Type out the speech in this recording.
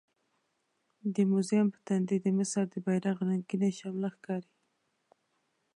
د موزیم په تندي د مصر د بیرغ رنګینه شمله ښکاري.